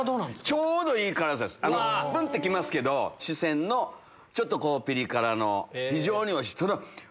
ちょうどいい辛さですプン！って来ますけど四川のちょっとピリ辛の非常においしい。